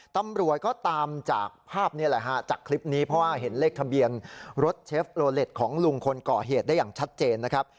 ตำรวจก็ตามจากภาพนี้แหละฮะจากคลิปนี้เพราะว่าเห็นเลขทะเบียนรถเชฟโลเล็ตของลุงคนก่อเหตุได้อย่างชัดเจนนะครับ